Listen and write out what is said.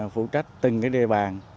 phụ trách từng đề bàn